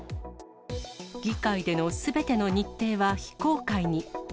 議会でのすべての日程は非公開に。